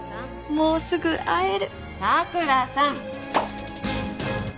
もうすぐ会える佐倉さん！